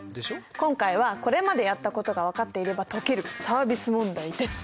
今回はこれまでやったことが分かっていれば解けるサービス問題です！